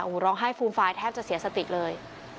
หัวฟันให้ฟูมฟายแทบจะเสียสติเลย